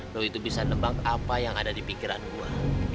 lu itu bisa nembang apa yang ada di pikiran gua